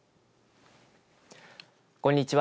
こんにちは。